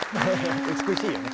美しいよね。